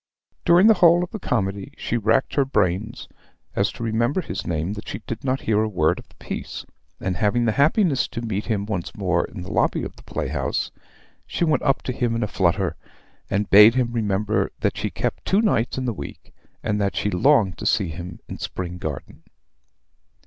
"During the whole of the comedy she racked her brains so to remember his name that she did not hear a word of the piece: and having the happiness to meet him once more in the lobby of the playhouse, she went up to him in a flutter, and bade him remember that she kept two nights in the week, and that she longed to see him at Spring Garden.